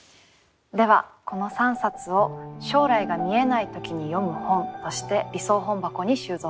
ではこの３冊を「将来が見えないときに読む本」として理想本箱に収蔵します。